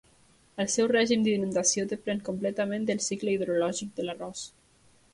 El seu règim d’inundació depèn completament del cicle hidrològic de l’arròs.